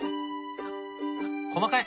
細かい。